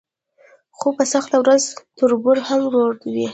خو په سخته ورځ تربور هم ورور وي.